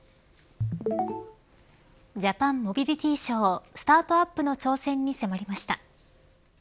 ジャパンモビリティショースタートアップの挑戦に迫りました。